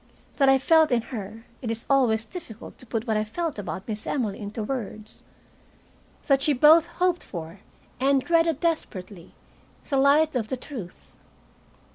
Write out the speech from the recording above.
That I felt in her it is always difficult to put what I felt about Miss Emily into words that she both hoped for and dreaded desperately the light of the truth.